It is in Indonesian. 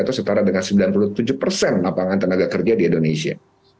atau setara dengan sembilan puluh tujuh persen lapangan tenaga kerja di indonesia